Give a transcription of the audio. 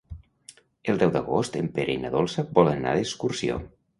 El deu d'agost en Pere i na Dolça volen anar d'excursió.